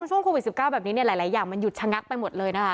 ช่วงโควิด๑๙แบบนี้เนี่ยหลายอย่างมันหยุดชะงักไปหมดเลยนะคะ